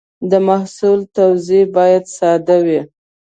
د محصول توضیح باید ساده وي.